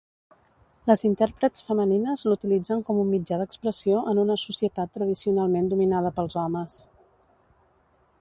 Les intèrprets femenines l'utilitzen com un mitjà d'expressió en una societat tradicionalment dominada pels homes.